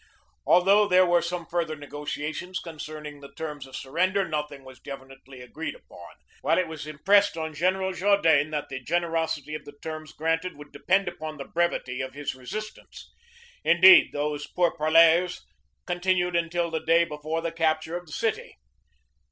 Al though there were some further negotiations con cerning the terms of surrender, nothing was defi nitely agreed upon; while it was impressed on General Jaudenes that the generosity of the terms granted would depend upon the brevity of his resistance. Indeed, these pourparlers continued until the day before the capture of the city.